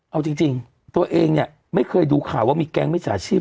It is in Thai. เอาจริงตัวเองเนี่ยไม่เคยดูข่าวว่ามีแก๊งมิจฉาชีพ